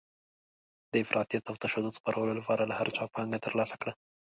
د افراطیت او تشدد خپرولو لپاره یې له هر چا پانګه ترلاسه کړه.